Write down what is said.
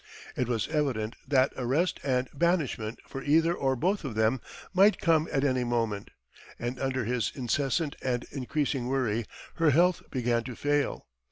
It was evident that arrest and banishment for either or both of them might come at any moment, and under this incessant and increasing worry, her health began to fail.